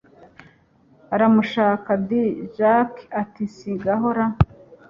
aramushaka di jack ati singaho ra